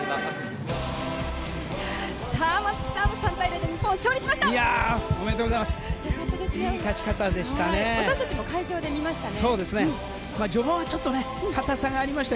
松木さん３対０で日本勝利しました。